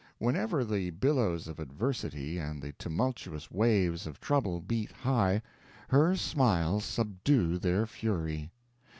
Whenever the billows of adversity and the tumultuous waves of trouble beat high, her smiles subdue their fury.